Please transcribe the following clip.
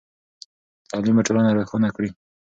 تعلیم به ټولنه روښانه کړئ.